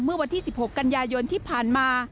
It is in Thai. เมื่อวันที่๑๖กันยายนที่ผ่านมา